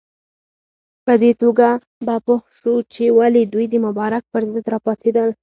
په دې توګه به پوه شو چې ولې دوی د مبارک پر ضد راپاڅېدل.